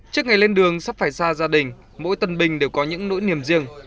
trước ngày lên đường sắp phải ra gia đình mỗi tân binh đều có những nỗi niềm riêng